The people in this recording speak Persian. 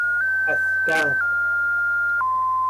اصغر